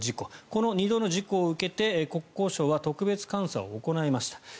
この２度の事故を受けて国交省は特別監査を行いました。